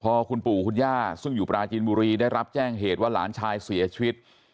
พอคุณปู่คุณย่าซึ่งอยู่ปราจีนบุรีได้รับแจ้งเหตุว่าหลานชายเสียชีวิต